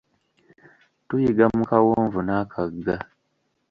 Tuyiga mu kawonvu n'akagga.